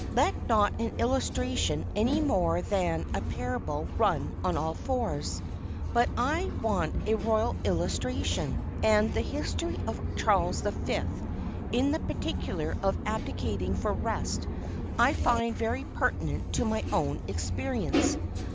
Let not an illustration any more than a parable "run on all fours." But I want a royal illustration; and the history of Charles the Fifth, in the particular of abdicating for rest, I find very pertinent to my own experience.